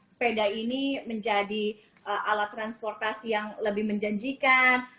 sepeda ini menjadi alat transportasi yang lebih menjanjikan